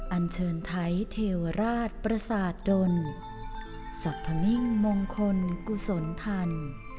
อันเชิญไทยเทวราชประสาทดลสรรพมิ่งมงคลกุศลทัน